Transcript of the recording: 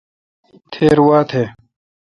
تھیر وا تھ۔